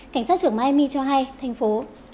cảnh sát trưởng miami cho hay thành phố